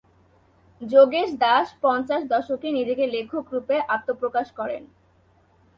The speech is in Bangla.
যোগেশ দাশ পঞ্চাশ দশকে নিজেকে লেখক রুপে আত্মপ্রকাশ করেন।